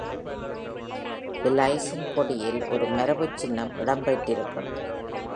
Belizeஇன் கொடியில் ஒரு மரபுச்சின்னம் இடம் பெற்றிருக்கும்.